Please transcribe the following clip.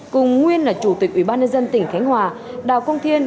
cùng nguyên là chủ tịch ủy ban nhân dân tỉnh khánh hòa đào công thiên